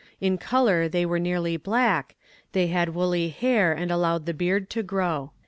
In colour they were nearly black; they had woolly hair, and allowed the beard to grow."